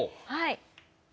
はい。